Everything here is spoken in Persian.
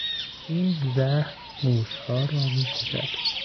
این زهر موشها را میکشد.